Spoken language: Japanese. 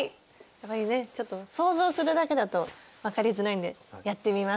やっぱりねちょっと想像するだけだと分かりづらいんでやってみます。